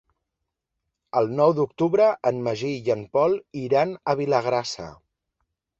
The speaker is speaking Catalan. El nou d'octubre en Magí i en Pol iran a Vilagrassa.